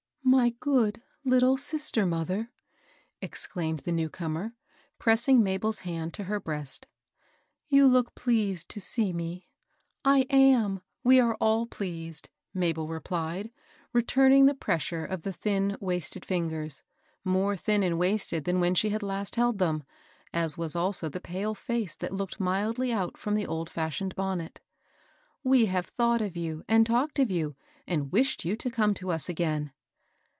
" My good little sister mother !" exclaimed the new comer, pressing Mabel'd hand to her breast,^ " you look pleased to see me." "I am 1 — we are all pleased I " Mabel replied, returning the pressure of the thin, wasted fingers, — more thin and wasted than when she had last held them, as was also the pale face that IqqJs&A. 896 MABEL ROSS. mildlj out from the oM &shioned bonnet. ^^ We have thought of you and talked of you, and wished you to come to us again."